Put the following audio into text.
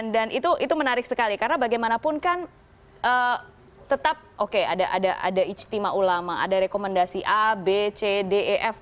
dan itu menarik sekali karena bagaimanapun kan tetap oke ada ijtima ulama ada rekomendasi a b c d e f